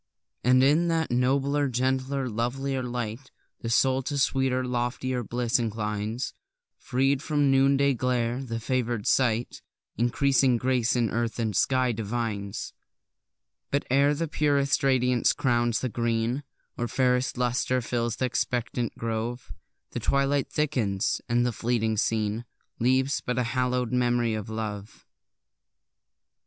And in that nobler, gentler, lovelier light, The soul to sweeter, loftier bliss inclines; Freed from the noonday glare, the favour'd sight Increasing grace in earth and sky divines. But ere the purest radiance crowns the green, Or fairest lustre fills th' expectant grove, The twilight thickens, and the fleeting scene Leaves but a hallow'd memory of love!